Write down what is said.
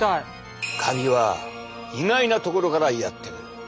カビは意外なところからやってくる！